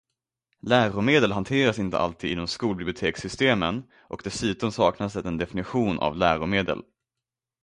Läromedel hanteras inte alltid inom skolbibliotekssystemen och dessutom saknas det en definition av läromedel.